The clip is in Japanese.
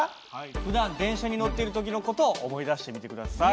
ふだん電車に乗っている時の事を思い出してみて下さい。